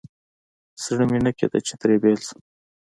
زړه مې نه کېده چې ترې بېل شم.